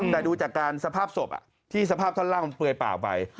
แต่ดูจากการสภาพศพที่สภาพท่อนล่างมันเปลือยเปล่าไป